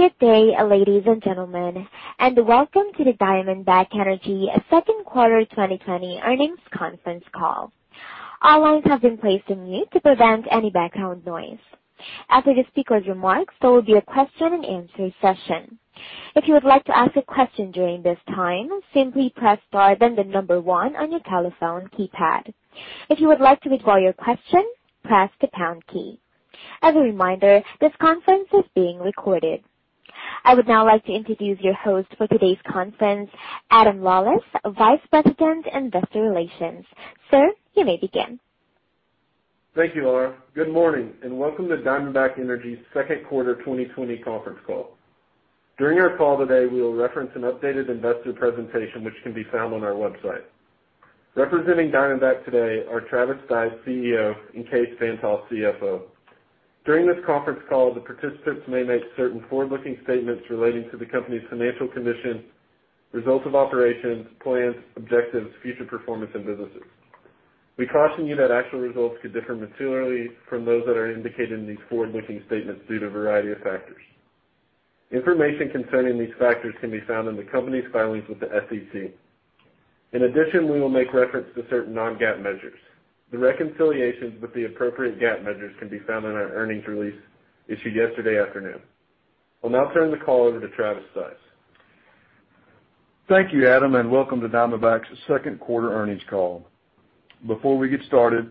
Good day, ladies and gentlemen, and welcome to the Diamondback Energy second quarter 2020 earnings conference call. All lines have been placed on mute to prevent any background noise. After the speaker's remarks, there will be a question and answer session. If you would like to ask a question during this time, simply press star then the number one on your telephone keypad. If you would like to withdraw your question, press the pound key. As a reminder, this conference is being recorded. I would now like to introduce your host for today's conference, Adam Lawlis, Vice President, Investor Relations. Sir, you may begin. Thank you, Laura. Good morning, and welcome to Diamondback Energy's second quarter 2020 conference call. During our call today, we will reference an updated investor presentation which can be found on our website. Representing Diamondback today are Travis Stice, CEO, and Kaes Van't Hof, CFO. During this conference call, the participants may make certain forward-looking statements relating to the company's financial condition, results of operations, plans, objectives, future performance and businesses. We caution you that actual results could differ materially from those that are indicated in these forward-looking statements due to a variety of factors. Information concerning these factors can be found in the company's filings with the SEC. In addition, we will make reference to certain non-GAAP measures. The reconciliations with the appropriate GAAP measures can be found on our earnings release issued yesterday afternoon. I'll now turn the call over to Travis Stice. Thank you, Adam, and welcome to Diamondback's second quarter earnings call. Before we get started,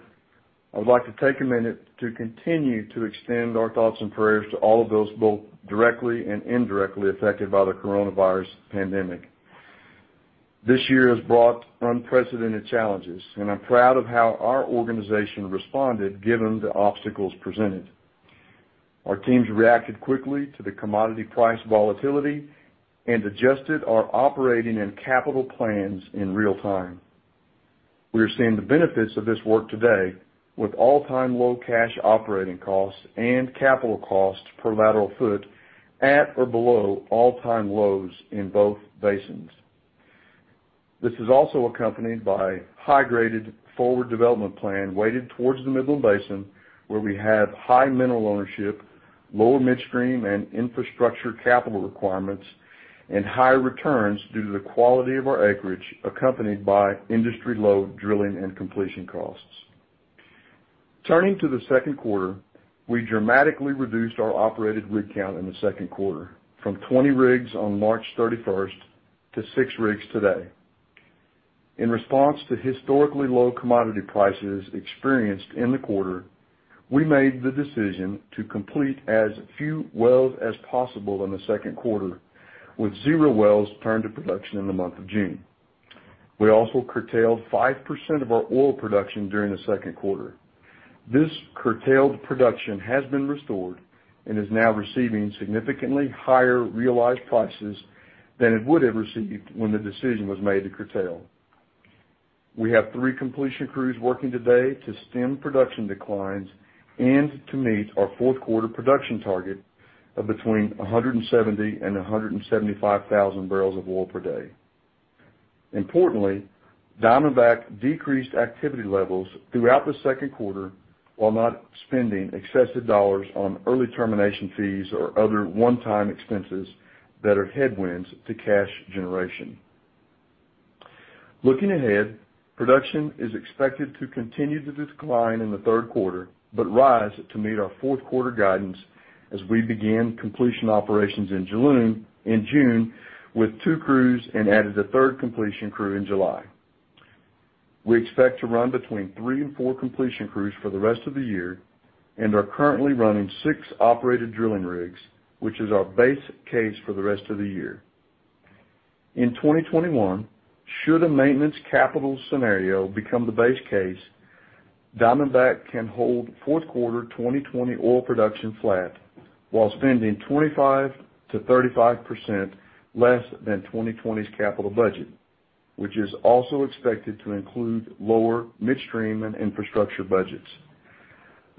I would like to take a minute to continue to extend our thoughts and prayers to all of those both directly and indirectly affected by the coronavirus pandemic. This year has brought unprecedented challenges. I'm proud of how our organization responded, given the obstacles presented. Our teams reacted quickly to the commodity price volatility and adjusted our operating and capital plans in real time. We are seeing the benefits of this work today with all-time low cash operating costs and capital costs per lateral foot at or below all-time lows in both basins. This is also accompanied by high-graded forward development plan weighted towards the Midland Basin, where we have high mineral ownership, lower midstream and infrastructure capital requirements, and high returns due to the quality of our acreage accompanied by industry-low drilling and completion costs. Turning to the second quarter, we dramatically reduced our operated rig count in the second quarter from 20 rigs on March 31st to six rigs today. In response to historically low commodity prices experienced in the quarter, we made the decision to complete as few wells as possible in the second quarter, with zero wells turned to production in the month of June. We also curtailed 5% of our oil production during the second quarter. This curtailed production has been restored and is now receiving significantly higher realized prices than it would have received when the decision was made to curtail. We have three completion crews working today to stem production declines and to meet our fourth quarter production target of between 170,000 and 175,000 bpd. Importantly, Diamondback decreased activity levels throughout the second quarter while not spending excessive dollars on early termination fees or other one-time expenses that are headwinds to cash generation. Looking ahead, production is expected to continue to decline in the third quarter, but rise to meet our fourth quarter guidance as we begin completion operations in June with two crews and added a third completion crew in July. We expect to run between three and four completion crews for the rest of the year and are currently running 6 operated drilling rigs, which is our base case for the rest of the year. In 2021, should a maintenance capital scenario become the base case, Diamondback can hold fourth quarter 2020 oil production flat while spending 25%-35% less than 2020's capital budget, which is also expected to include lower midstream and infrastructure budgets.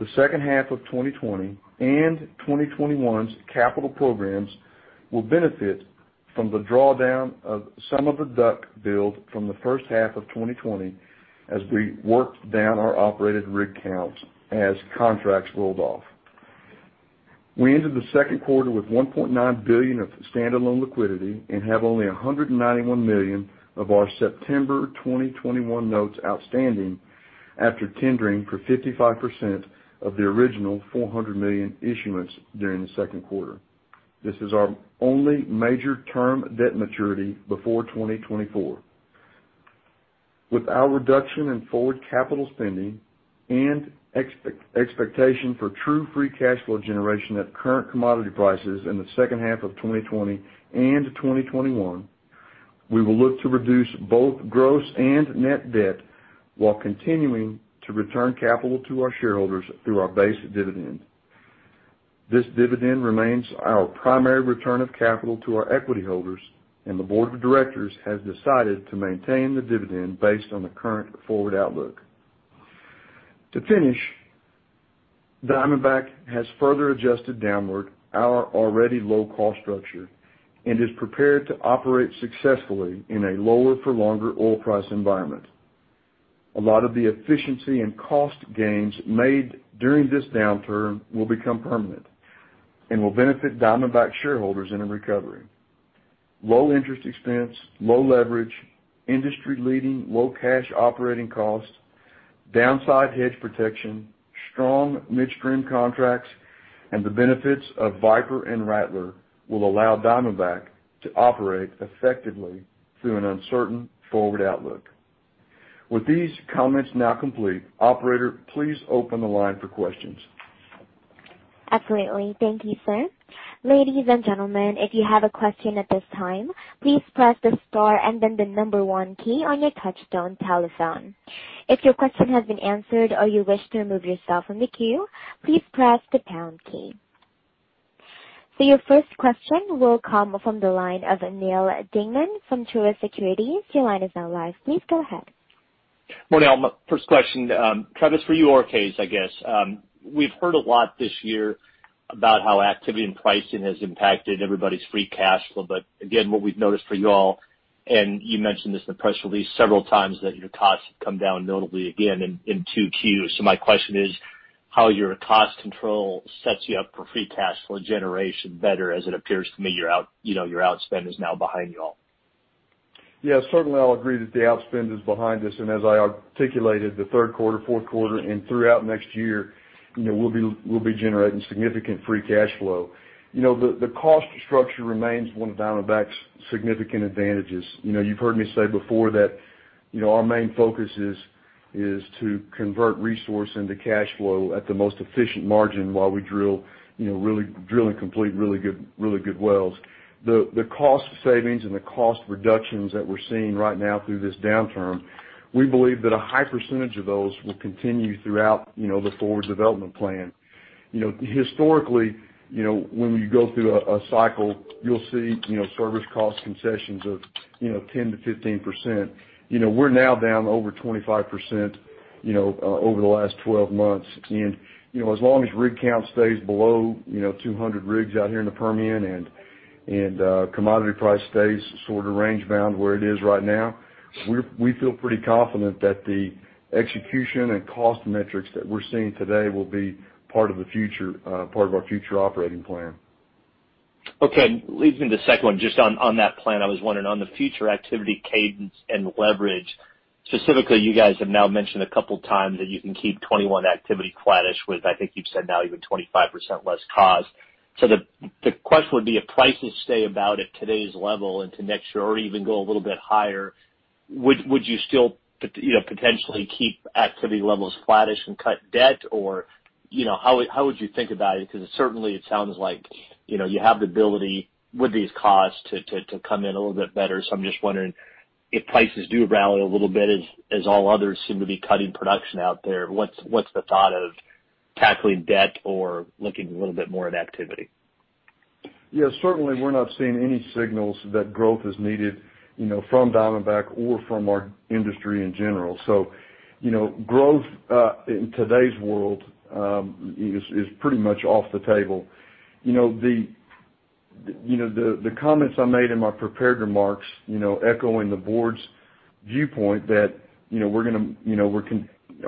The second half of 2020 and 2021's capital programs will benefit from the drawdown of some of the DUC build from the first half of 2020 as we worked down our operated rig counts as contracts rolled off. We ended the second quarter with $1.9 billion of standalone liquidity and have only $191 million of our September 2021 notes outstanding after tendering for 55% of the original $400 million issuance during the second quarter. This is our only major term debt maturity before 2024. With our reduction in forward capital spending and expectation for true free cash flow generation at current commodity prices in the second half of 2020 and 2021, we will look to reduce both gross and net debt while continuing to return capital to our shareholders through our base dividend. This dividend remains our primary return of capital to our equity holders, and the board of directors has decided to maintain the dividend based on the current forward outlook. To finish, Diamondback has further adjusted downward our already low cost structure and is prepared to operate successfully in a lower for longer oil price environment. A lot of the efficiency and cost gains made during this downturn will become permanent and will benefit Diamondback shareholders in a recovery. Low interest expense, low leverage, industry-leading low cash operating costs, downside hedge protection, strong midstream contracts, and the benefits of Viper and Rattler will allow Diamondback to operate effectively through an uncertain forward outlook. With these comments now complete, operator, please open the line for questions. Absolutely. Thank you, sir. Ladies and gentlemen, if you have a question at this time, please press the star and then the number one key on your touch-tone telephone. If your question has been answered or you wish to remove yourself from the queue, please press the pound key. Your first question will come from the line of Neal Dingmann from Truist Securities. Your line is now live. Please go ahead. Morning, all. First question, Travis, for you or Kaes, I guess. We've heard a lot this year about how activity and pricing has impacted everybody's free cash flow. Again, what we've noticed for you all, and you mentioned this in the press release several times, that your costs have come down notably again in Q2. My question is how your cost control sets you up for free cash flow generation better, as it appears to me your outspend is now behind you all. Yes, certainly, I'll agree that the outspend is behind us. As I articulated, the third quarter, fourth quarter, and throughout next year, we'll be generating significant free cash flow. The cost structure remains one of Diamondback's significant advantages. You've heard me say before that our main focus is to convert resource into cash flow at the most efficient margin while we drill and complete really good wells. The cost savings and the cost reductions that we're seeing right now through this downturn, we believe that a high % of those will continue throughout the forward development plan. Historically, when we go through a cycle, you'll see service cost concessions of 10%-15%. We're now down over 25% over the last 12 months. As long as rig count stays below 200 rigs out here in the Permian and commodity price stays sort of range bound where it is right now, we feel pretty confident that the execution and cost metrics that we're seeing today will be part of our future operating plan. Okay. Leads me to the second one, just on that plan, I was wondering on the future activity cadence and leverage, specifically, you guys have now mentioned a couple times that you can keep 2021 activity flattish with, I think you've said now, even 25% less cost. The question would be if prices stay about at today's level into next year or even go a little bit higher, would you still potentially keep activity levels flattish and cut debt? How would you think about it? Certainly it sounds like you have the ability with these costs to come in a little bit better. I'm just wondering if prices do rally a little bit, as all others seem to be cutting production out there, what's the thought of tackling debt or looking a little bit more at activity? Yeah, certainly we're not seeing any signals that growth is needed from Diamondback or from our industry in general. Growth in today's world is pretty much off the table. The comments I made in my prepared remarks echoing the board's viewpoint that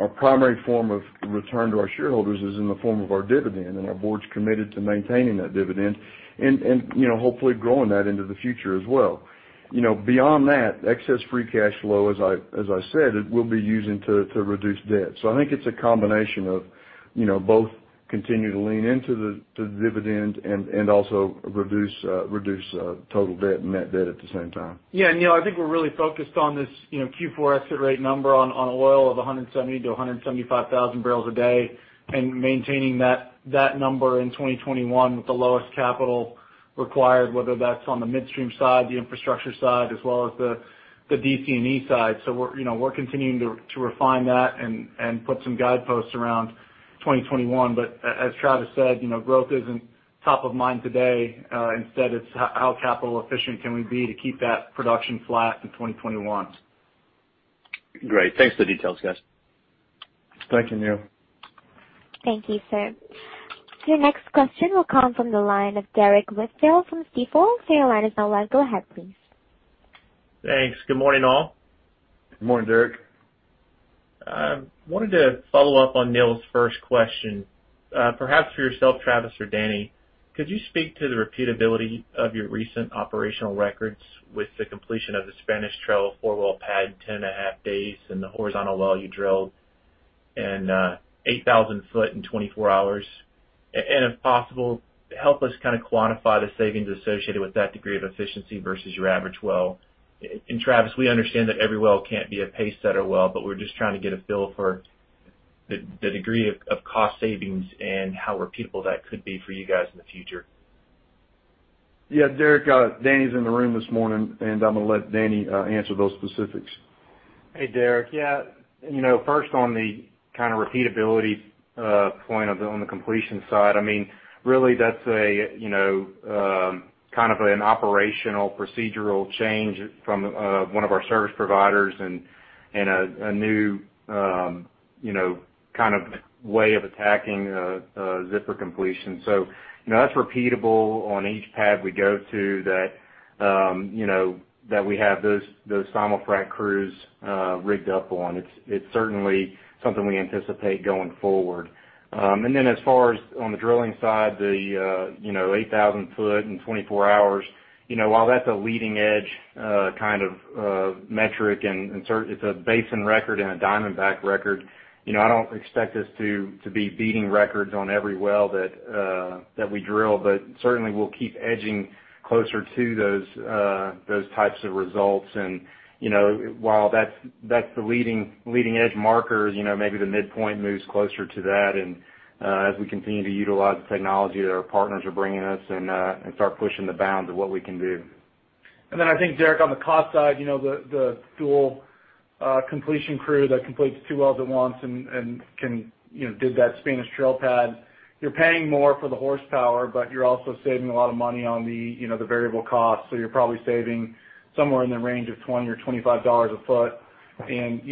our primary form of return to our shareholders is in the form of our dividend, and our board's committed to maintaining that dividend and hopefully growing that into the future as well. Beyond that, excess free cash flow, as I said, we'll be using to reduce debt. I think it's a combination of both continue to lean into the dividend and also reduce total debt and net debt at the same time. Yeah. Neal, I think we're really focused on this Q4 exit rate number on oil of 170,000-175,000 barrels a day and maintaining that number in 2021 with the lowest capital required, whether that's on the midstream side, the infrastructure side, as well as the DC&E side. We're continuing to refine that and put some guideposts around 2021. As Travis said, growth isn't top of mind today. Instead, it's how capital efficient can we be to keep that production flat in 2021. Great. Thanks for the details, guys. Thank you, Neal. Thank you, sir. Your next question will come from the line of Derrick Whitfield from Stifel. Your line is now live. Go ahead, please. Thanks. Good morning, all. Good morning, Derrick. I wanted to follow up on Neal's first question. Perhaps for yourself, Travis or Danny, could you speak to the repeatability of your recent operational records with the completion of the Spanish Trail four-well pad in 10 and a half days and the horizontal well you drilled in 8,000 foot in 24 hours? If possible, help us kind of quantify the savings associated with that degree of efficiency versus your average well. Travis, we understand that every well can't be a pace setter well, but we're just trying to get a feel for the degree of cost savings and how repeatable that could be for you guys in the future. Yeah. Derrick, Danny's in the room this morning. I'm going to let Danny answer those specifics. Hey, Derrick. Yeah. First on the kind of repeatability point on the completion side, really that's kind of an operational procedural change from one of our service providers and a new kind of way of attacking a simul-frac completion. That's repeatable on each pad we go to that we have those simul-frac crews rigged up on. It's certainly something we anticipate going forward. As far as on the drilling side, the 8,000 foot in 24 hours, while that's a leading-edge kind of metric, and it's a basin record and a Diamondback record, I don't expect us to be beating records on every well that we drill. Certainly, we'll keep edging closer to those types of results. While that's the leading-edge marker, maybe the midpoint moves closer to that, and as we continue to utilize the technology that our partners are bringing us and start pushing the bounds of what we can do. I think, Derrick, on the cost side, the dual completion crew that completes two wells at once and did that Spanish Trail pad, you're paying more for the horsepower, but you're also saving a lot of money on the variable cost. You're probably saving somewhere in the range of $20 or $25 a foot. I think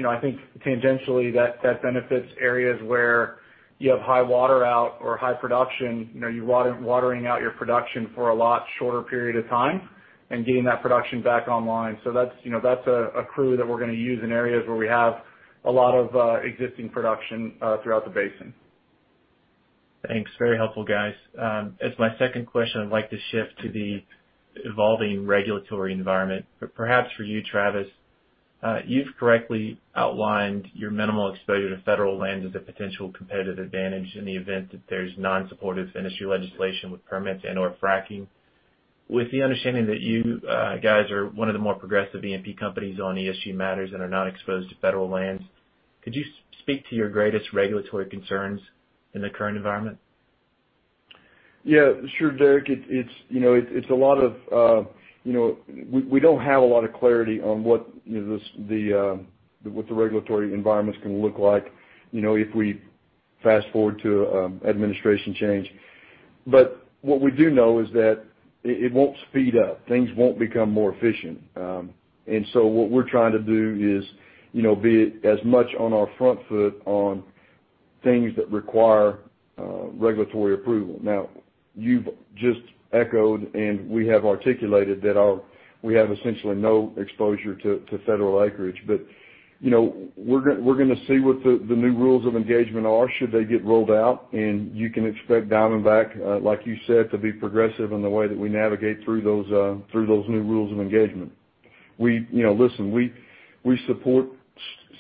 tangentially, that benefits areas where you have high water out or high production. You're watering out your production for a lot shorter period of time and getting that production back online. That's a crew that we're going to use in areas where we have a lot of existing production throughout the basin. Thanks. Very helpful, guys. As my second question, I'd like to shift to the evolving regulatory environment. Perhaps for you, Travis, you've correctly outlined your minimal exposure to federal land as a potential competitive advantage in the event that there's non-supportive industry legislation with permits and/or fracking. With the understanding that you guys are one of the more progressive E&P companies on ESG matters and are not exposed to federal lands, could you speak to your greatest regulatory concerns in the current environment? Yeah, sure, Derrick. We don't have a lot of clarity on what the regulatory environment's going to look like if we fast-forward to administration change. What we do know is that it won't speed up. Things won't become more efficient. What we're trying to do is be as much on our front foot on things that require regulatory approval. Now, you've just echoed, and we have articulated that we have essentially no exposure to federal acreage. We're going to see what the new rules of engagement are should they get rolled out, and you can expect Diamondback, like you said, to be progressive in the way that we navigate through those new rules of engagement. Listen, we support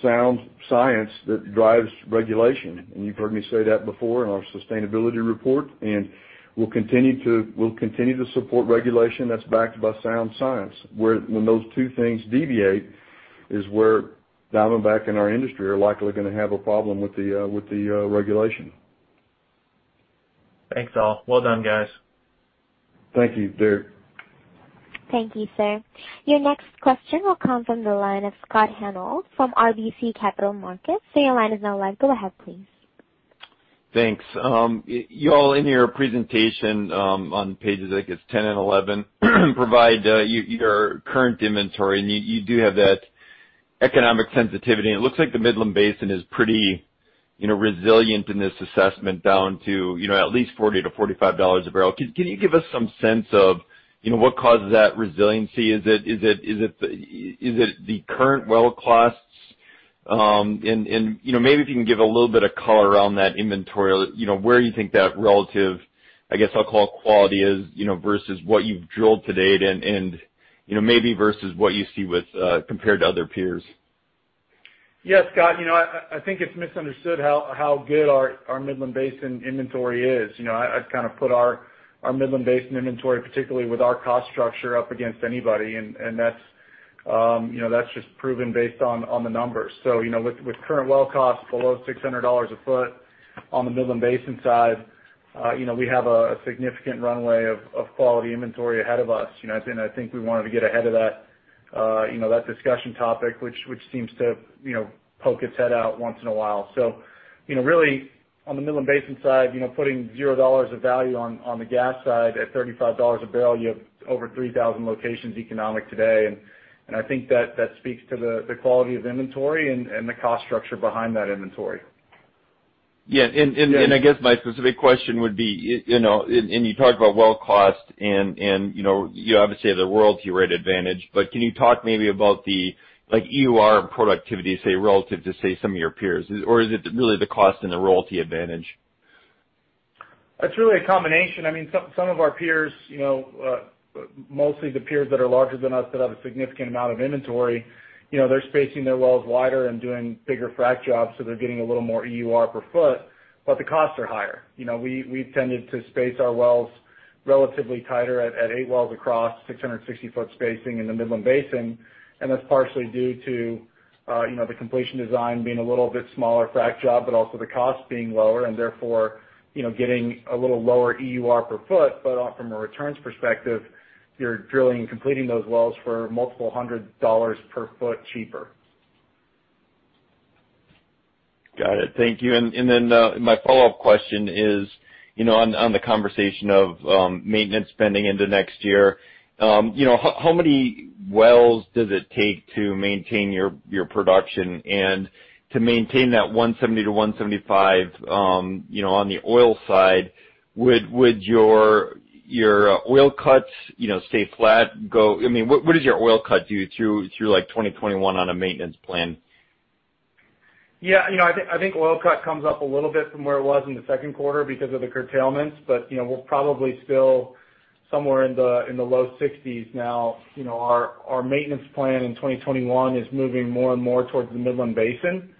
sound science that drives regulation, and you've heard me say that before in our sustainability report, and we'll continue to support regulation that's backed by sound science. When those two things deviate is where Diamondback and our industry are likely going to have a problem with the regulation. Thanks, all. Well done, guys. Thank you, Derrick. Thank you, sir. Your next question will come from the line of Scott Hanold from RBC Capital Markets. Your line is now live. Go ahead, please. Thanks. You all in your presentation, on pages, I guess, 10 and 11, provide your current inventory, and you do have that economic sensitivity, and it looks like the Midland Basin is pretty resilient in this assessment down to at least $40-$45 a barrel. Can you give us some sense of what causes that resiliency? Is it the current well costs? Maybe if you can give a little bit of color around that inventory, where you think that relative, I guess I'll call it quality is, versus what you've drilled to date and maybe versus what you see compared to other peers. Yeah, Scott, I think it's misunderstood how good our Midland Basin inventory is. I'd put our Midland Basin inventory, particularly with our cost structure, up against anybody, and that's just proven based on the numbers. With current well costs below $600 a foot on the Midland Basin side, we have a significant runway of quality inventory ahead of us. I think we wanted to get ahead of that discussion topic, which seems to poke its head out once in a while. Really, on the Midland Basin side, putting $0 of value on the gas side, at $35 a barrel, you have over 3,000 locations economic today. I think that speaks to the quality of inventory and the cost structure behind that inventory. Yeah. I guess my specific question would be, you talked about well cost and you obviously have the royalty rate advantage, but can you talk maybe about the EUR and productivity, say, relative to, say, some of your peers? Is it really the cost and the royalty advantage? It's really a combination. Some of our peers, mostly the peers that are larger than us that have a significant amount of inventory, they're spacing their wells wider and doing bigger frack jobs, so they're getting a little more EUR per foot, but the costs are higher. We've tended to space our wells relatively tighter at eight wells across 660-foot spacing in the Midland Basin, and that's partially due to the completion design being a little bit smaller frack job, but also the cost being lower and therefore getting a little lower EUR per foot. From a returns perspective, you're drilling and completing those wells for multiple hundred dollars per foot cheaper. Got it. Thank you. My follow-up question is on the conversation of maintenance spending into next year. How many wells does it take to maintain your production and to maintain that 170-175 on the oil side? Would your oil cuts stay flat? What does your oil cut do through 2021 on a maintenance plan? Yeah. I think oil cut comes up a little bit from where it was in the second quarter because of the curtailments, but we're probably still somewhere in the low 60s now. Our maintenance plan in 2021 is moving more and more towards the Midland Basin.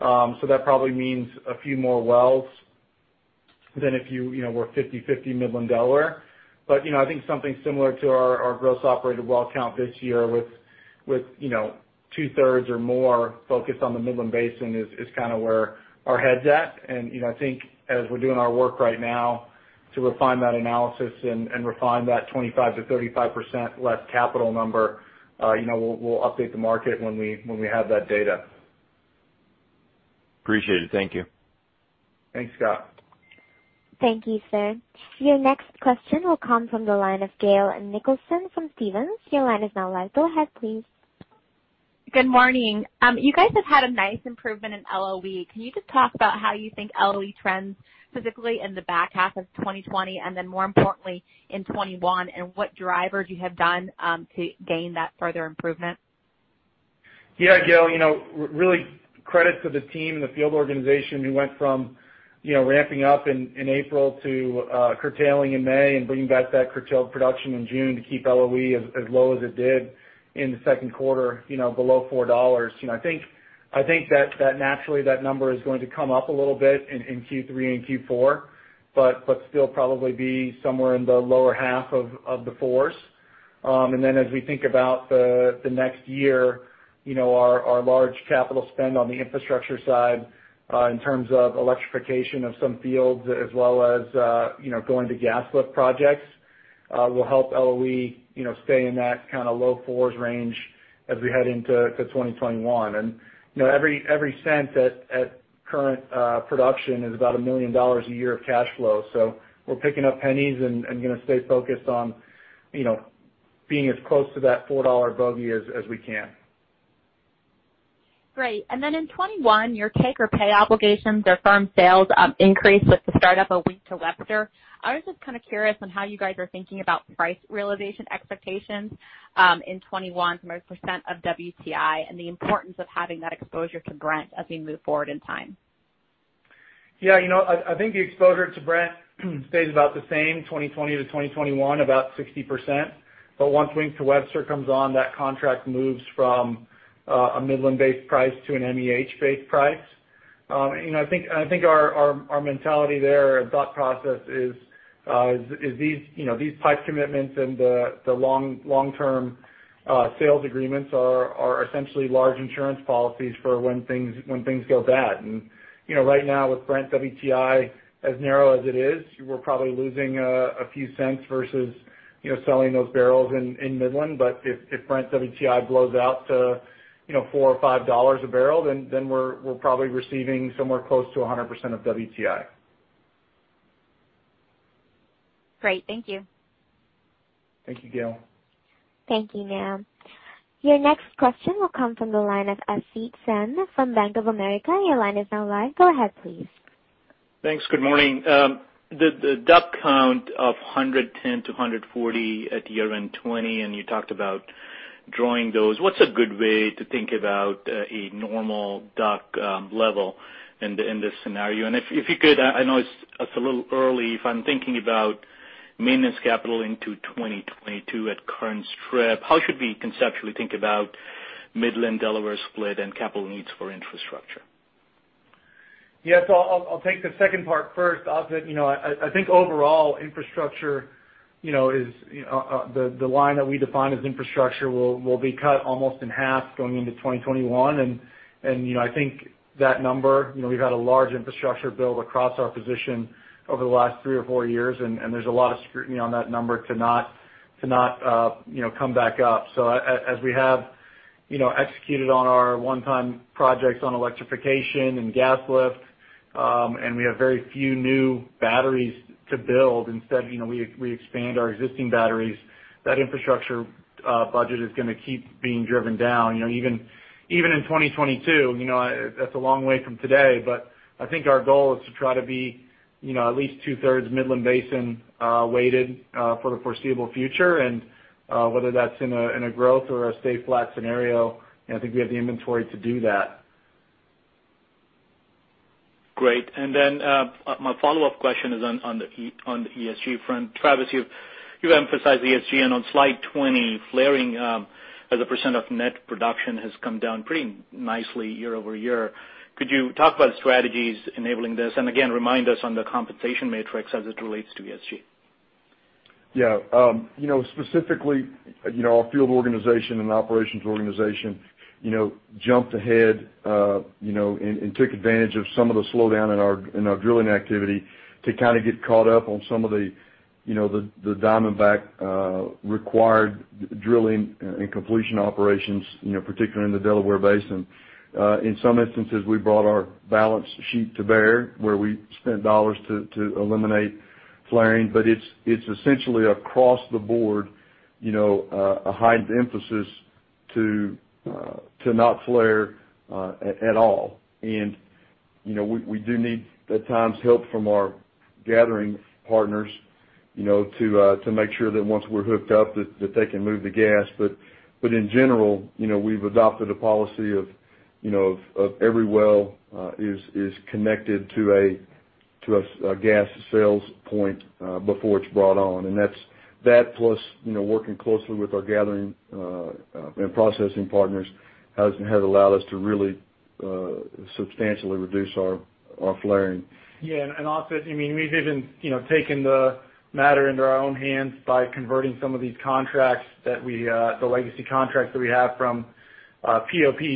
That probably means a few more wells than if you were 50/50 Midland, Delaware. I think something similar to our gross operated well count this year with two-thirds or more focused on the Midland Basin is kind of where our head's at. I think as we're doing our work right now to refine that analysis and refine that 25%-35% less capital number, we'll update the market when we have that data. Appreciate it. Thank you. Thanks, Scott. Thank you, sir. Your next question will come from the line of Gail Nicholson from Stephens. Your line is now live. Go ahead, please. Good morning. You guys have had a nice improvement in LOE. Can you just talk about how you think LOE trends specifically in the back half of 2020 and then more importantly in 2021, and what drivers you have done to gain that further improvement? Yeah, Gail. Really credit to the team and the field organization who went from ramping up in April to curtailing in May and bringing back that curtailed production in June to keep LOE as low as it did in the second quarter, below $4. I think that naturally that number is going to come up a little bit in Q3 and Q4, but still probably be somewhere in the lower half of the fours. As we think about the next year, our large capital spend on the infrastructure side in terms of electrification of some fields as well as going to gas lift projects will help LOE stay in that low fours range as we head into 2021. Every cent at current production is about $1 million a year of cash flow. We're picking up pennies and going to stay focused on being as close to that $4 bogey as we can. Great. Then in 2021, your take or pay obligations or firm sales increase with the start of a Wink to Webster. I was just kind of curious on how you guys are thinking about price realization expectations in 2021 from a % of WTI and the importance of having that exposure to Brent as we move forward in time? Yeah, I think the exposure to Brent stays about the same, 2020 to 2021, about 60%. Once Wink to Webster comes on, that contract moves from a Midland-based price to an MEH-based price. I think our mentality there, our thought process is these pipe commitments and the long-term sales agreements are essentially large insurance policies for when things go bad. Right now with Brent WTI as narrow as it is, we're probably losing a few cents versus selling those barrels in Midland. If Brent WTI blows out to $4 or $5 a barrel, then we're probably receiving somewhere close to 100% of WTI. Great. Thank you. Thank you, Gail. Thank you, ma'am. Your next question will come from the line of Asit Sen from Bank of America. Your line is now live. Go ahead, please. Thanks. Good morning. The DUC count of 110 to 140 at year-end 2020, and you talked about drawing those. What's a good way to think about a normal DUC level in this scenario? If you could, I know it's a little early, if I'm thinking about maintenance capital into 2022 at current strip, how should we conceptually think about Midland-Delaware split and capital needs for infrastructure? Yeah. I'll take the second part first, Asit. I think overall infrastructure, the line that we define as infrastructure, will be cut almost in half going into 2021. I think that number, we've had a large infrastructure build across our position over the last three or four years, and there's a lot of scrutiny on that number to not come back up. As we have executed on our one-time projects on electrification and gas lift, and we have very few new batteries to build. Instead, we expand our existing batteries. That infrastructure budget is going to keep being driven down. Even in 2022, that's a long way from today, but I think our goal is to try to be at least two-thirds Midland Basin weighted for the foreseeable future. Whether that's in a growth or a stay flat scenario, I think we have the inventory to do that. Great. My follow-up question is on the ESG front. Travis, you've emphasized ESG, and on slide 20, flaring as a % of net production has come down pretty nicely year-over-year. Could you talk about strategies enabling this? Again, remind us on the compensation matrix as it relates to ESG. Yeah. Specifically, our field organization and operations organization jumped ahead and took advantage of some of the slowdown in our drilling activity to get caught up on some of the Diamondback required drilling and completion operations, particularly in the Delaware Basin. In some instances, we brought our balance sheet to bear where we spent $ to eliminate flaring. It's essentially across the board, a heightened emphasis to not flare at all. We do need, at times, help from our gathering partners to make sure that once we're hooked up, that they can move the gas. In general, we've adopted a policy of every well is connected to a gas sales point before it's brought on. That plus working closely with our gathering and processing partners has allowed us to really substantially reduce our flaring. Yeah. Also, we've even taken the matter into our own hands by converting some of these contracts, the legacy contracts that we have from POP,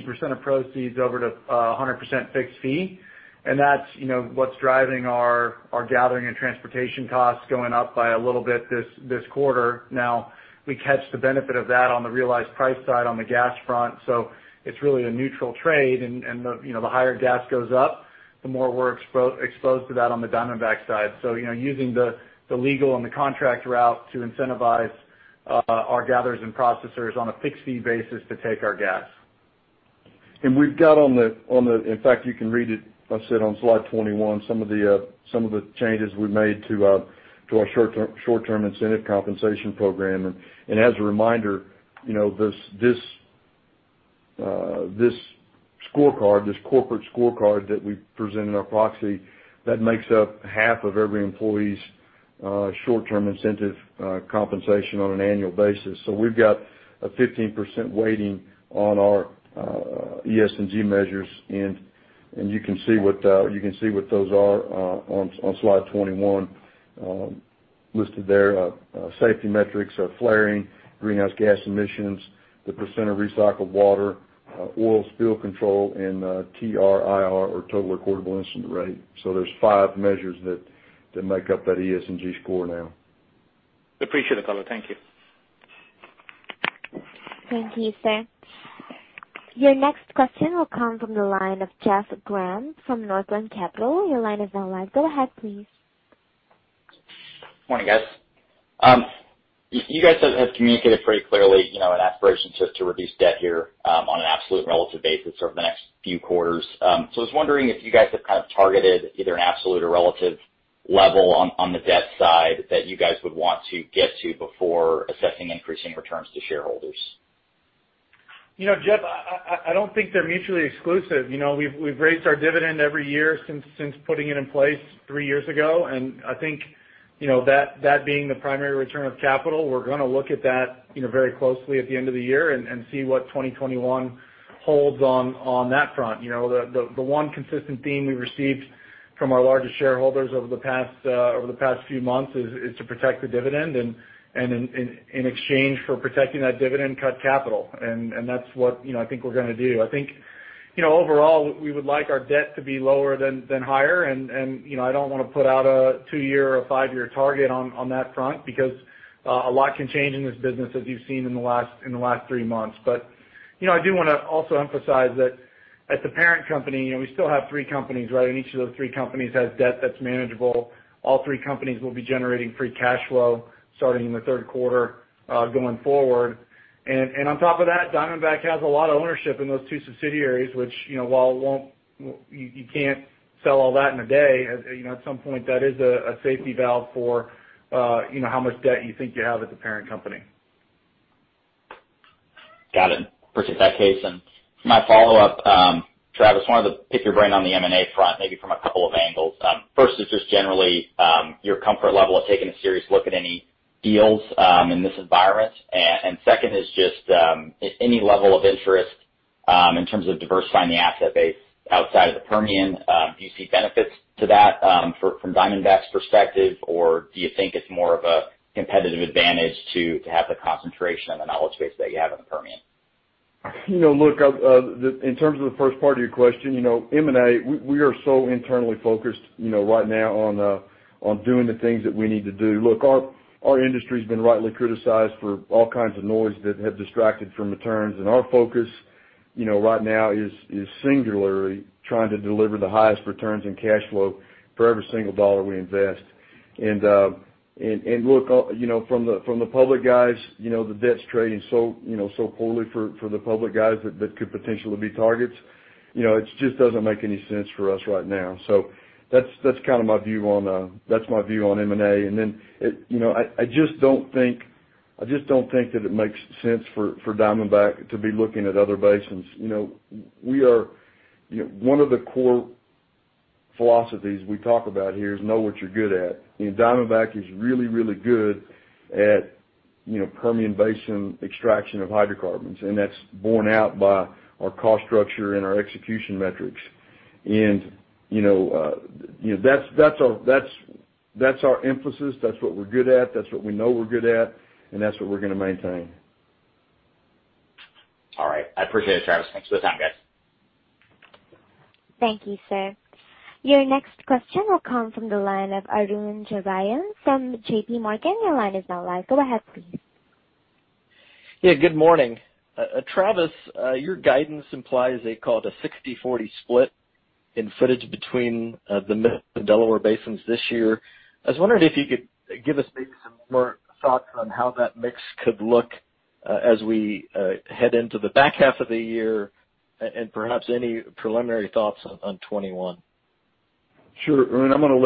percent of proceeds, over to 100% fixed fee. That's what's driving our gathering and transportation costs going up by a little bit this quarter. Now, we catch the benefit of that on the realized price side on the gas front, so it's really a neutral trade. The higher gas goes up, the more we're exposed to that on the Diamondback side. Using the legal and the contract route to incentivize our gatherers and processors on a fixed-fee basis to take our gas. We've got, in fact, you can read it, I said on slide 21, some of the changes we've made to our Short-Term Incentive Compensation Program. As a reminder, this Corporate Scorecard that we present in our proxy, that makes up half of every employee's Short-Term Incentive Compensation on an annual basis. We've got a 15% weighting on our ESG measures, and you can see what those are on slide 21, listed there. Safety metrics are flaring, greenhouse gas emissions, the % of recycled water, oil spill control, and TRIR, or total recordable incident rate. There's five measures that make up that ESG score now. Appreciate it, the color. Thank you. Thank you, sir. Your next question will come from the line of Jeff Grampp from Northland Capital Markets. Your line is now live. Go ahead, please. Morning, guys. You guys have communicated pretty clearly an aspiration to reduce debt here on an absolute and relative basis over the next few quarters. I was wondering if you guys have targeted either an absolute or relative level on the debt side that you guys would want to get to before assessing increasing returns to shareholders. Jeff, I don't think they're mutually exclusive. We've raised our dividend every year since putting it in place three years ago, and I think that being the primary return of capital, we're going to look at that very closely at the end of the year and see what 2021 holds on that front. The one consistent theme we received from our largest shareholders over the past few months is to protect the dividend, and in exchange for protecting that dividend, cut capital. That's what I think we're going to do. I think, overall, we would like our debt to be lower than higher, and I don't want to put out a two-year or five-year target on that front, because a lot can change in this business, as you've seen in the last three months. I do want to also emphasize that at the parent company, we still have three companies. Each of those three companies has debt that's manageable. All three companies will be generating free cash flow starting in the third quarter going forward. On top of that, Diamondback has a lot of ownership in those two subsidiaries, which you can't sell all that in a day. At some point, that is a safety valve for how much debt you think you have at the parent company. Got it. Appreciate that, Kaes. My follow-up, Travis, wanted to pick your brain on the M&A front, maybe from a couple of angles. First is just generally your comfort level of taking a serious look at any deals in this environment. Second is just any level of interest in terms of diversifying the asset base outside of the Permian. Do you see benefits to that from Diamondback's perspective, or do you think it's more of a competitive advantage to have the concentration and the knowledge base that you have in the Permian? Look, in terms of the first part of your question, M&A, we are so internally focused right now on doing the things that we need to do. Look, our industry's been rightly criticized for all kinds of noise that have distracted from returns, and our focus right now is singularly trying to deliver the highest returns in cash flow for every single dollar we invest. Look, from the public guys, the debt's trading so poorly for the public guys that could potentially be targets. It just doesn't make any sense for us right now. That's my view on M&A. Then, I just don't think that it makes sense for Diamondback to be looking at other basins. One of the core philosophies we talk about here is know what you're good at. Diamondback is really good at Permian Basin extraction of hydrocarbons. That's borne out by our cost structure and our execution metrics. That's our emphasis. That's what we're good at, that's what we know we're good at, and that's what we're going to maintain. All right. I appreciate it, Travis. Thanks for the time, guys. Thank you, sir. Your next question will come from the line of Arun Jayaram from JPMorgan. Your line is now live. Go ahead, please. Yeah, good morning. Travis, your guidance implies they call it a 60/40 split in footage between the Delaware basins this year. I was wondering if you could give us maybe some more thoughts on how that mix could look as we head into the back half of the year and perhaps any preliminary thoughts on 2021. Sure. Arun, I'm going to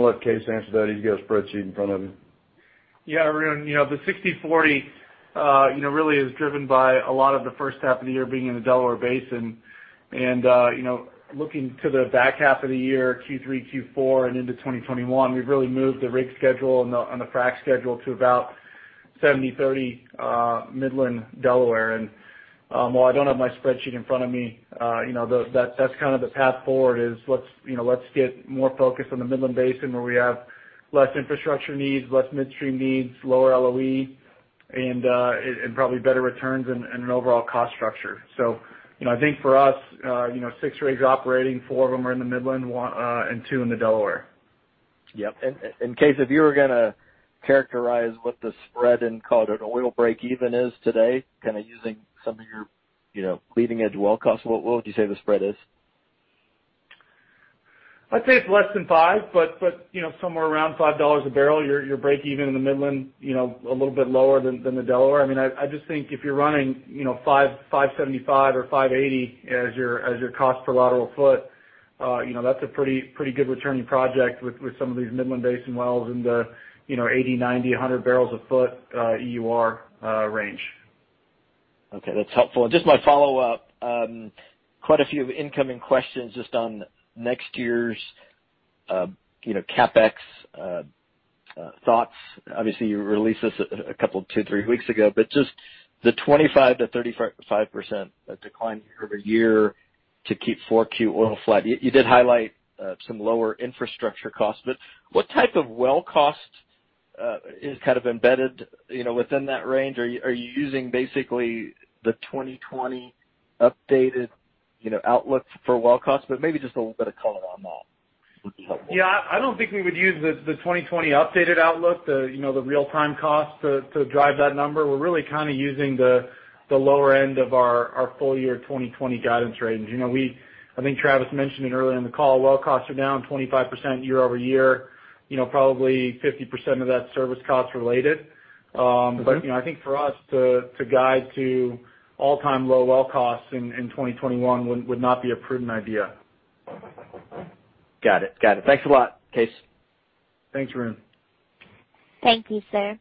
let Kaes answer that. He's got a spreadsheet in front of him. Yeah. Arun, the 60/40 really is driven by a lot of the first half of the year being in the Delaware Basin. Looking to the back half of the year, Q3, Q4, and into 2021, we've really moved the rig schedule and the frack schedule to about 70/30 Midland Delaware. While I don't have my spreadsheet in front of me, that's kind of the path forward is let's get more focused on the Midland Basin, where we have less infrastructure needs, less midstream needs, lower LOE, and probably better returns and an overall cost structure. I think for us, six rigs operating, four of them are in the Midland, and two in the Delaware. Yep. Kaes, if you were going to characterize what the spread in oil breakeven is today, kind of using some of your leading-edge well costs, what would you say the spread is? I'd say it's less than five, but somewhere around $5 a barrel, your breakeven in the Midland, a little bit lower than the Delaware. I just think if you're running $575 or $580 as your cost per lateral foot, that's a pretty good returning project with some of these Midland Basin wells in the 80, 90, 100 barrels a foot EUR range. Okay. That's helpful. Just my follow-up, quite a few incoming questions just on next year's CapEx thoughts. Obviously, you released this two, three weeks ago, just the 25%-35% decline year-over-year to keep 4Q oil flat. You did highlight some lower infrastructure costs, what type of well cost is kind of embedded within that range? Are you using basically the 2020 updated outlook for well cost? Maybe just a little bit of color on that would be helpful. Yeah. I don't think we would use the 2020 updated outlook, the real-time cost to drive that number. We're really kind of using the lower end of our full year 2020 guidance range. I think Travis mentioned it earlier in the call, well costs are down 25% year-over-year. Probably 50% of that's service cost related. I think for us to guide to all-time low well costs in 2021 would not be a prudent idea. Got it. Thanks a lot, Kaes. Thanks, Arun. Thank you, sir.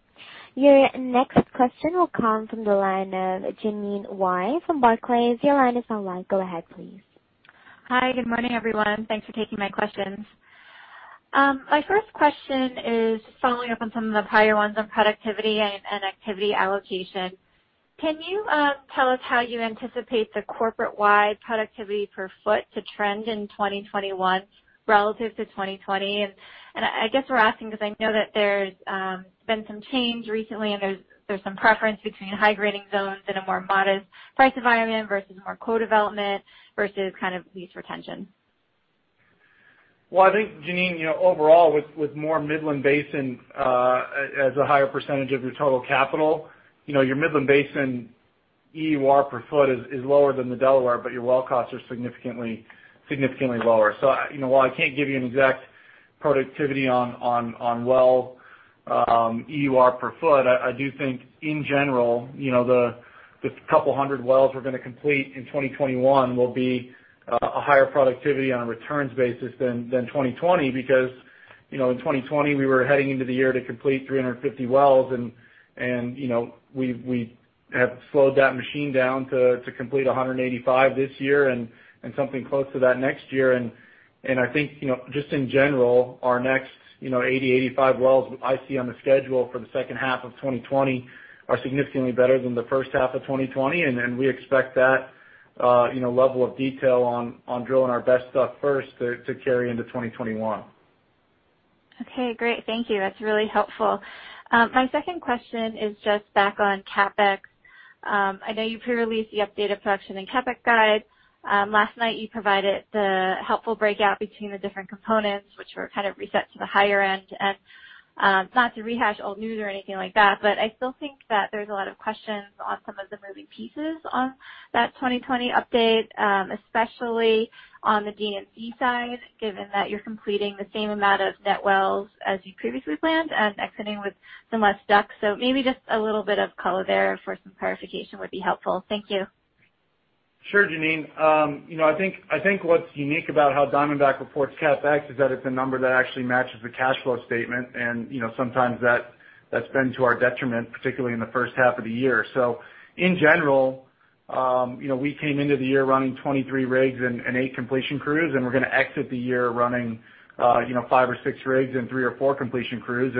Your next question will come from the line of Jeanine Wai from Barclays. Your line is now live. Go ahead, please. Hi. Good morning, everyone. Thanks for taking my questions. My first question is following up on some of the prior ones on productivity and activity allocation. Can you tell us how you anticipate the corporate-wide productivity per foot to trend in 2021 relative to 2020? I guess we're asking because I know that there's been some change recently, and there's some preference between high-grading zones in a more modest price environment versus more co-development versus kind of lease retention. Well, I think, Jeanine, overall, with more Midland Basin as a higher percentage of your total capital, your Midland Basin EUR per foot is lower than the Delaware, your well costs are significantly lower. While I can't give you an exact productivity on well EUR per foot, I do think in general, the couple hundred wells we're going to complete in 2021 will be a higher productivity on a returns basis than 2020 because in 2020, we were heading into the year to complete 350 wells, and we have slowed that machine down to complete 185 this year and something close to that next year. I think just in general, our next 80, 85 wells I see on the schedule for the second half of 2020 are significantly better than the first half of 2020. We expect that level of detail on drilling our best stuff first to carry into 2021. Okay, great. Thank you. That's really helpful. My second question is just back on CapEx. I know you pre-released the updated production and CapEx guide. Last night, you provided the helpful breakout between the different components, which were kind of reset to the higher end. Not to rehash old news or anything like that, but I still think that there's a lot of questions on some of the moving pieces on that 2020 update, especially on the D&C given that you're completing the same amount of net wells as you previously planned and exiting with some less DUC. Maybe just a little bit of color there for some clarification would be helpful. Thank you. Sure, Jeanine. I think what's unique about how Diamondback reports CapEx is that it's a number that actually matches the cash flow statement, and sometimes that's been to our detriment, particularly in the first half of the year. In general, we came into the year running 23 rigs and eight completion crews, and we're going to exit the year running five or six rigs and three or four completion crews.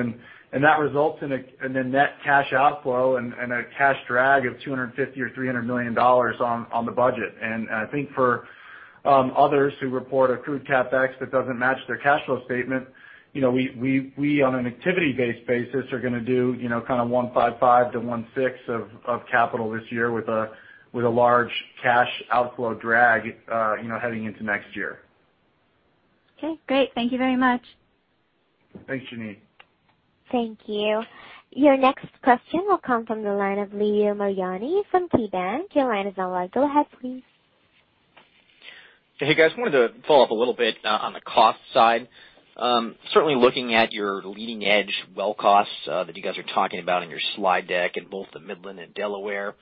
That results in a net cash outflow and a cash drag of $250 or $300 million on the budget. Others who report accrued CapEx that doesn't match their cash flow statement. We on an activity-based basis are going to do kind of $155 million-$160 million of capital this year with a large cash outflow drag heading into next year. Okay, great. Thank you very much. Thanks, Jeanine. Thank you. Your next question will come from the line of Leo Mariani from KeyBanc. Your line is now wide. Go ahead, please. Hey, guys. Wanted to follow up a little bit on the cost side. Certainly looking at your leading-edge well costs that you guys are talking about in your slide deck in both the Midland and Delaware.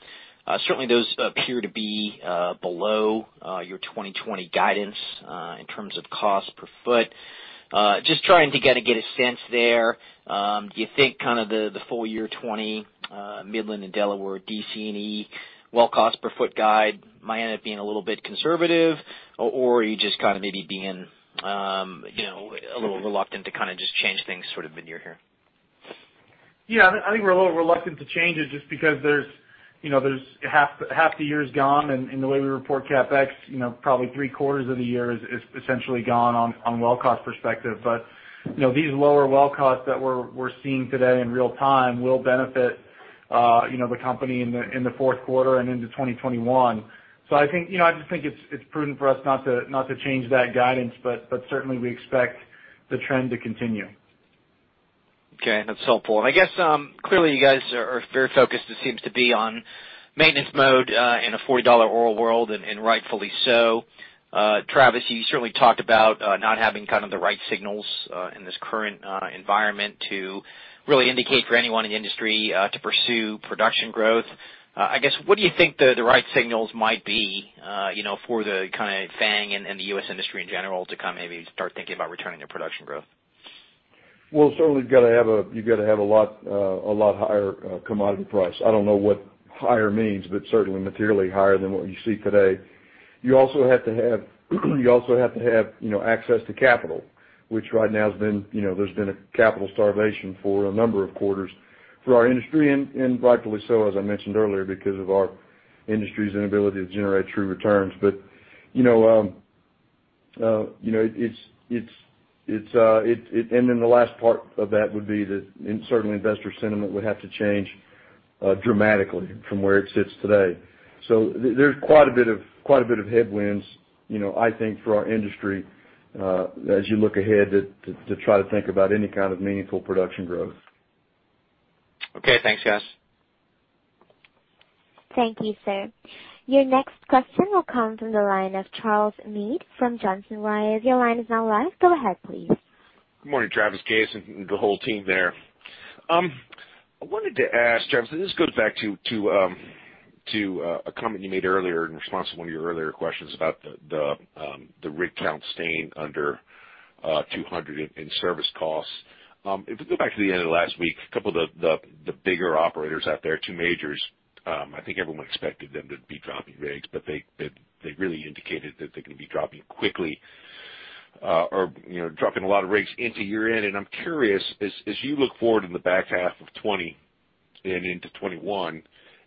Certainly those appear to be below your 2020 guidance, in terms of cost per foot. Just trying to get a sense there. Do you think kind of the full year 2020 Midland and Delaware DC&E well cost per foot guide might end up being a little bit conservative? Are you just kind of maybe being a little reluctant to kind of just change things sort of mid-year here? Yeah, I think we're a little reluctant to change it just because there's half the year's gone, and the way we report CapEx probably three quarters of the year is essentially gone on well cost perspective. These lower well costs that we're seeing today in real time will benefit the company in the fourth quarter and into 2021. I just think it's prudent for us not to change that guidance. Certainly we expect the trend to continue. Okay, that's helpful. I guess, clearly you guys are very focused, it seems to be, on maintenance mode, in a $4 oil world, and rightfully so. Travis, you certainly talked about not having kind of the right signals in this current environment to really indicate for anyone in the industry to pursue production growth. I guess, what do you think the right signals might be for the kind of FANG and the U.S. industry in general to kind of maybe start thinking about returning to production growth? Well, certainly you've got to have a lot higher commodity price. I don't know what higher means, certainly materially higher than what you see today. You also have to have access to capital, which right now there's been a capital starvation for a number of quarters for our industry, rightfully so, as I mentioned earlier, because of our industry's inability to generate true returns. The last part of that would be that certainly investor sentiment would have to change dramatically from where it sits today. There's quite a bit of headwinds I think for our industry as you look ahead to try to think about any kind of meaningful production growth. Okay, thanks guys. Thank you, sir. Your next question will come from the line of Charles Meade from Johnson Rice. Your line is now live. Go ahead, please. Good morning, Travis, Jason, the whole team there. I wanted to ask, Travis, and this goes back to a comment you made earlier in response to one of your earlier questions about the rig count staying under 200 in service costs. If we go back to the end of last week, a couple of the bigger operators out there, two majors, I think everyone expected them to be dropping rigs, but they really indicated that they're going to be dropping quickly or dropping a lot of rigs into year-end. I'm curious, as you look forward in the back half of 2020 and into 2021,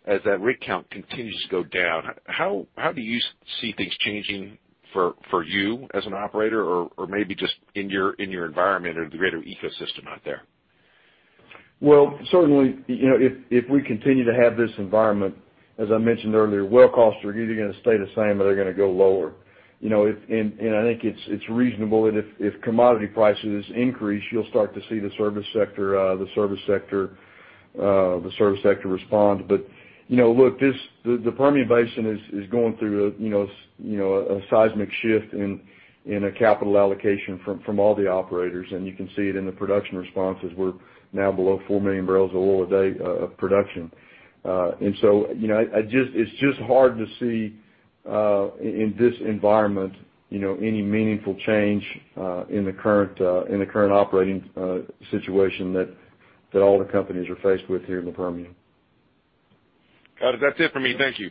as that rig count continues to go down, how do you see things changing for you as an operator or maybe just in your environment or the greater ecosystem out there? Well, certainly, if we continue to have this environment, as I mentioned earlier, well costs are either going to stay the same or they're going to go lower. I think it's reasonable that if commodity prices increase, you'll start to see the service sector respond. Look, the Permian Basin is going through a seismic shift in a capital allocation from all the operators, and you can see it in the production responses. We're now below 4 MMbpd of production. It's just hard to see in this environment any meaningful change in the current operating situation that all the companies are faced with here in the Permian. Got it. That's it for me. Thank you.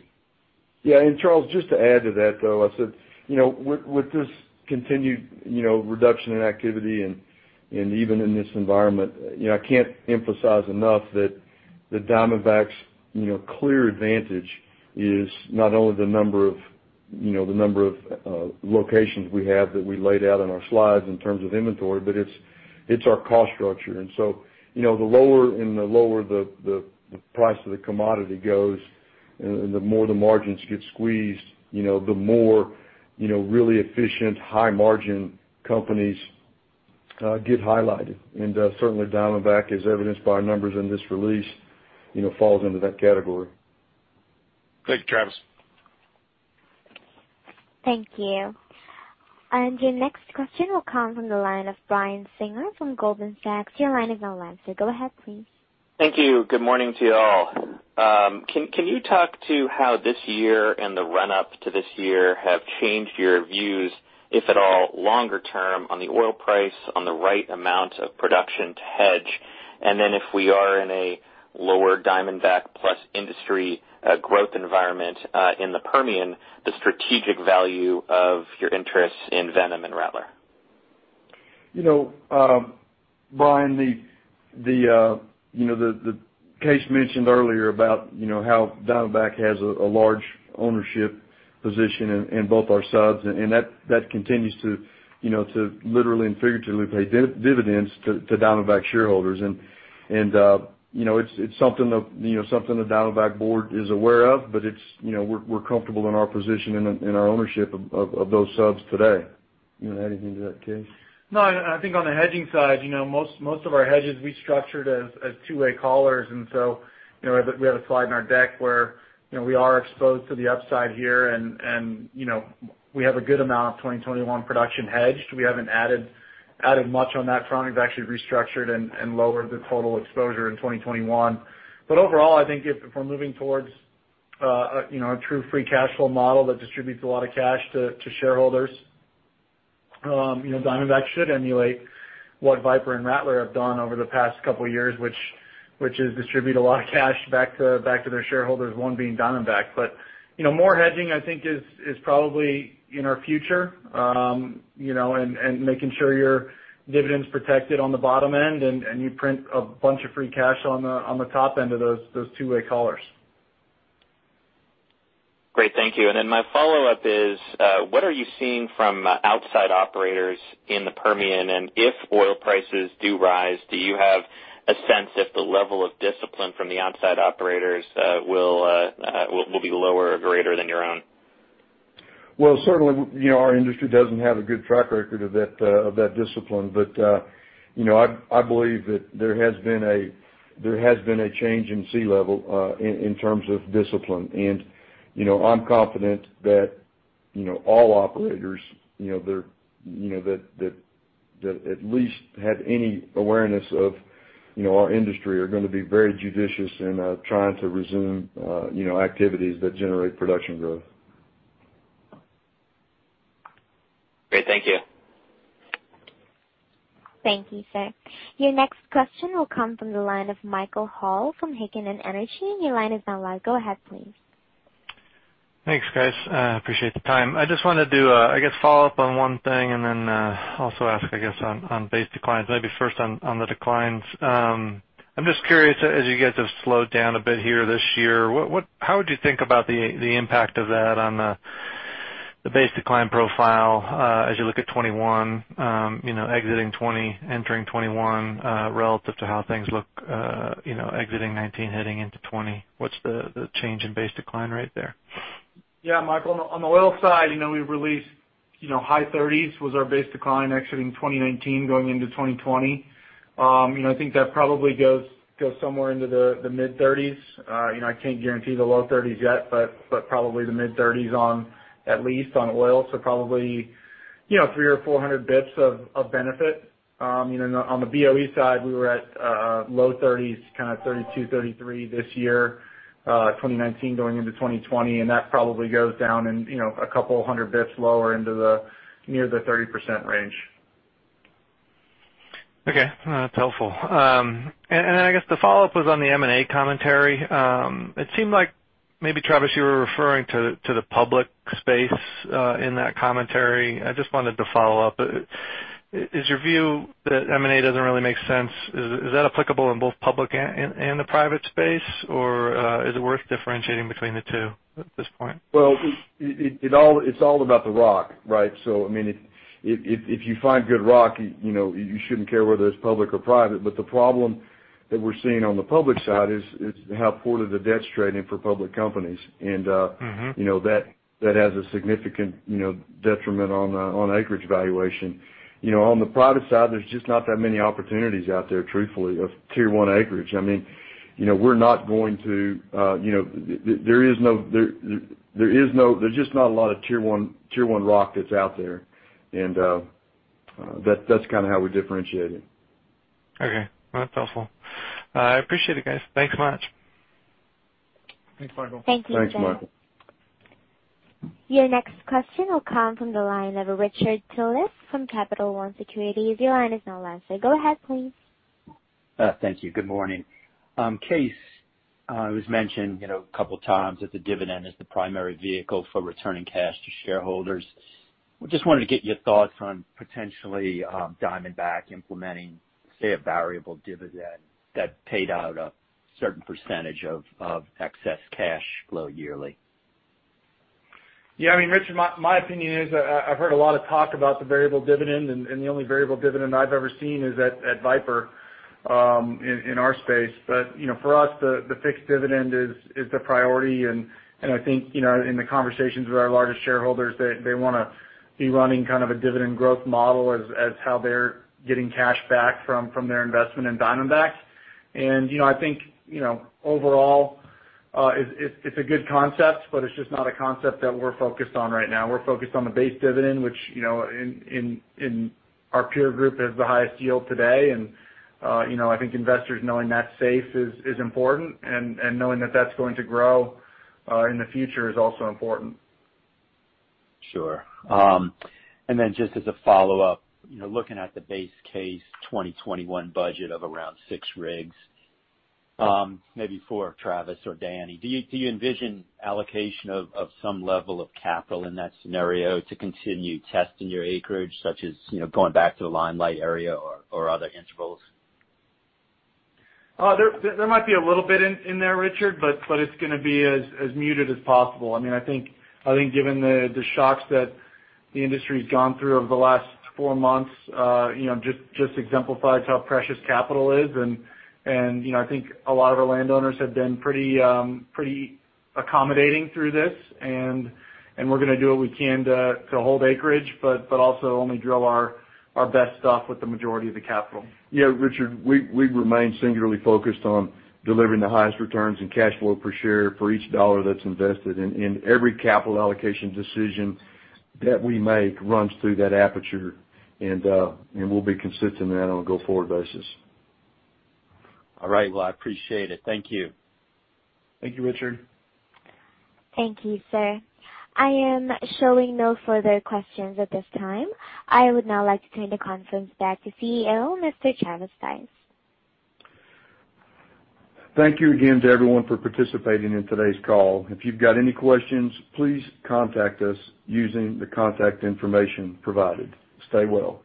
Yeah. Charles, just to add to that though, with this continued reduction in activity and even in this environment, I can't emphasize enough that Diamondback's clear advantage is not only the number of locations we have that we laid out in our slides in terms of inventory, but it's our cost structure. The lower the price of the commodity goes and the more the margins get squeezed, the more really efficient, high margin companies get highlighted. Certainly Diamondback, as evidenced by our numbers in this release, falls into that category. Thank you, Travis. Thank you. Your next question will come from the line of Brian Singer from Goldman Sachs. Your line is now unmuted. Go ahead, please. Thank you. Good morning to you all. Can you talk to how this year and the run-up to this year have changed your views, if at all, longer term on the oil price, on the right amount of production to hedge? If we are in a lower Diamondback plus industry growth environment in the Permian, the strategic value of your interest in Viper and Rattler? Brian, Kaes mentioned earlier about how Diamondback has a large ownership position in both our subs, that continues to literally and figuratively pay dividends to Diamondback shareholders. It's something the Diamondback board is aware of, but we're comfortable in our position and our ownership of those subs today. You want to add anything to that, Kaes? No. I think on the hedging side, most of our hedges we structured as two-way collars. We have a slide in our deck where we are exposed to the upside here, and we have a good amount of 2021 production hedged. We haven't added much on that front. We've actually restructured and lowered the total exposure in 2021. Overall, I think if we're moving towards a true free cash flow model that distributes a lot of cash to shareholders, Diamondback should emulate what Viper and Rattler have done over the past couple of years, which is distribute a lot of cash back to their shareholders, one being Diamondback. More hedging, I think, is probably in our future, and making sure your dividend's protected on the bottom end, and you print a bunch of free cash on the top end of those two-way collars. Great. Thank you. My follow-up is, what are you seeing from outside operators in the Permian? If oil prices do rise, do you have a sense if the level of discipline from the outside operators will be lower or greater than your own? Well, certainly, our industry doesn't have a good track record of that discipline. I believe that there has been a change in C-level in terms of discipline. I'm confident that all operators that at least had any awareness of our industry are going to be very judicious in trying to resume activities that generate production growth. Great. Thank you. Thank you, sir. Your next question will come from the line of Michael Hall from Heikkinen Energy. Your line is now live. Go ahead, please. Thanks, guys. I appreciate the time. I just wanted to, I guess, follow up on one thing, and then also ask, I guess, on base declines. Maybe first on the declines. I'm just curious, as you guys have slowed down a bit here this year, how would you think about the impact of that on the base decline profile as you look at 2021, exiting 2020, entering 2021, relative to how things look exiting 2019, heading into 2020? What's the change in base decline rate there? Yeah, Michael, on the oil side, we released high 30s was our base decline exiting 2019, going into 2020. I think that probably goes somewhere into the mid-30s. I can't guarantee the low 30s yet, but probably the mid-30s on at least on oil, so probably 300 or 400 basis points of benefit. On the BOE side, we were at low 30s, kind of 32, 33 this year 2019 going into 2020. That probably goes down in a couple of 100 basis points lower into the near the 30% range. Okay. That's helpful. I guess the follow-up was on the M&A commentary. It seemed like maybe, Travis, you were referring to the public space, in that commentary. I just wanted to follow up. Is your view that M&A doesn't really make sense? Is that applicable in both public and the private space, or is it worth differentiating between the two at this point? Well, it's all about the rock, right? I mean, if you find good rock, you shouldn't care whether it's public or private. The problem that we're seeing on the public side is how poor the debt's trading for public companies. That has a significant detriment on acreage valuation. On the private side, there's just not that many opportunities out there, truthfully, of tier 1 acreage. There's just not a lot of tier 1 rock that's out there. That's kind of how we differentiate it. Okay. That's helpful. I appreciate it, guys. Thanks so much. Thanks, Michael. Thank you. Thanks, Michael. Your next question will come from the line of Richard Tullis from Capital One Securities. Your line is now live, sir. Go ahead, please. Thank you. Good morning. Kaes, it was mentioned a couple of times that the dividend is the primary vehicle for returning cash to shareholders. We just wanted to get your thoughts on potentially Diamondback implementing, say, a variable dividend that paid out a certain % of excess cash flow yearly. Yeah. I mean, Richard, my opinion is I've heard a lot of talk about the variable dividend. The only variable dividend I've ever seen is at Viper, in our space. For us, the fixed dividend is the priority. I think in the conversations with our largest shareholders, they want to be running kind of a dividend growth model as how they're getting cash back from their investment in Diamondback. I think overall, it's a good concept. It's just not a concept that we're focused on right now. We're focused on the base dividend, which in our peer group has the highest yield today. I think investors knowing that's safe is important. Knowing that that's going to grow in the future is also important. Sure. Just as a follow-up, looking at the base case 2021 budget of around six rigs, maybe for Travis or Danny, do you envision allocation of some level of capital in that scenario to continue testing your acreage, such as going back to the Limelight area or other intervals? There might be a little bit in there, Richard, but it's going to be as muted as possible. I think given the shocks that the industry's gone through over the last four months just exemplifies how precious capital is, and I think a lot of our landowners have been pretty accommodating through this, and we're going to do what we can to hold acreage, but also only drill our best stuff with the majority of the capital. Yeah, Richard, we remain singularly focused on delivering the highest returns and cash flow per share for each dollar that's invested. Every capital allocation decision that we make runs through that aperture. We'll be consistent in that on a go-forward basis. All right. Well, I appreciate it. Thank you. Thank you, Richard. Thank you, sir. I am showing no further questions at this time. I would now like to turn the conference back to CEO, Mr. Travis Stice. Thank you again to everyone for participating in today's call. If you've got any questions, please contact us using the contact information provided. Stay well.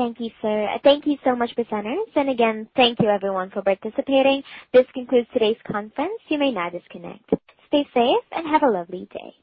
Thank you, sir. Thank you so much, presenters. Again, thank you everyone for participating. This concludes today's conference. You may now disconnect. Stay safe and have a lovely day.